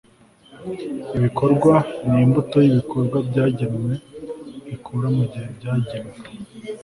ibikorwa ni imbuto y'ibikorwa byagenwe bikura mu bihe byagenwe